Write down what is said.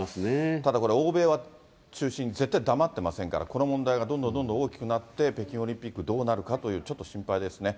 ただこれ欧米中心に黙ってませんから、この問題がどんどんどんどん大きくなって、北京オリンピックどうなるかっていう、ちょっと心配ですね。